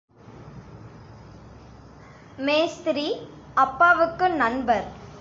மேஸ்திரி அப்பாவுக்கு நண்பர்.